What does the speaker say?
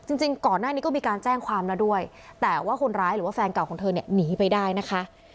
จริงก่อนหน้านี้ก็มีการแจ้งความแล้วด้วยแต่ว่าคนร้ายหรือว่าแฟนเก่าของเธอเนี่ยหนีไปได้นะคะ